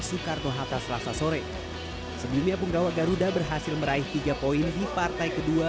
soekarno hatta selasa sore sebelumnya punggawa garuda berhasil meraih tiga poin di partai kedua